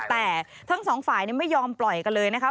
แต่ทั้งสองฝ่ายไม่ยอมปล่อยกันเลยนะคะ